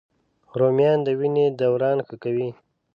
رومیان د وینې دوران ښه کوي